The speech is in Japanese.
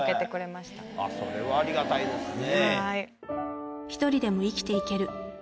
それはありがたいですね。